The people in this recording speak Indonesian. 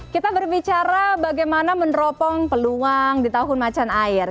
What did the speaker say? kita berbicara bagaimana meneropong peluang di tahun macan air